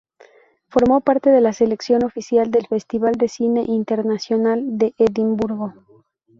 Formó parte de la selección oficial del Festival de Cine Internacional de Edimburgo.